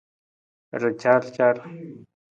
Racarcar.